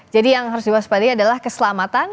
jadi yang harus diwaspadai adalah keselamatan